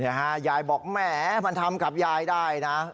ยายบอกแหมมันทำกับยายได้นะ